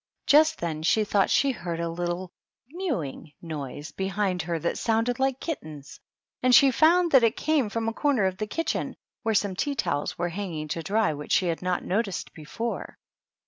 THE DUCHESS AND HER HOUSE. 37 Just then she thought she heard a little mew ing noise behind her that sounded like kittens, and she found that it came from a corner of the kitchen, where some tea towels were hanging to dry which she had not noticed before.